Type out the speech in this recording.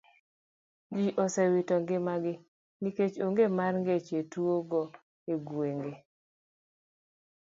Ji osewito ngimagi nikech onge mar geche jotuo go e gwenge.